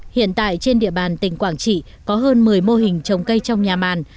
hiện tại trên địa bàn tỉnh quảng trị có hơn một mươi mô hình trồng cây trong nhà màn